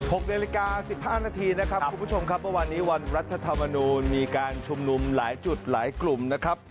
๖หรือ๑๕นาทีคับข่าวผู้ชมครับว่าวันนี้วันรัฐธรรมนุมมีการชุมลุมหลายจุดหลายกลุ่มนะครับ